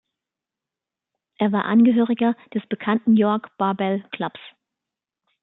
Er war Angehöriger des bekannten York Barbell Clubs.